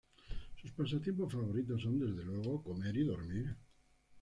Sus pasatiempos favoritos son, desde luego, comer y dormir.